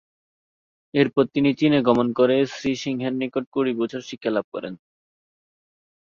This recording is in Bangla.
এরপর তিনি চীনে গমন করে শ্রী সিংহের নিকট কুড়ি বছর শিক্ষা লাভ করেন।